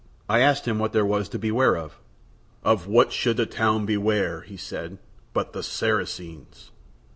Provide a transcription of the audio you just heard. I asked him what there was to beware of. "Of what should a town beware," he said, "but the Saracens?"